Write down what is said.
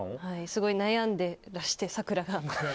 すごい、悩んでいらして咲楽が。